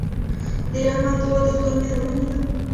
د رحمت دعا د خدای مهرباني ده.